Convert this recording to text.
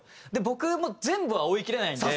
僕も全部は追いきれないんで。